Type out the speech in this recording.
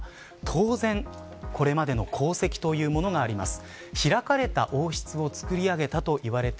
当然、これまでの功績というものがあります。